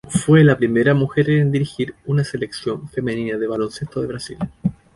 Fue la primera mujer en dirigir una Selección femenina de baloncesto de Brasil.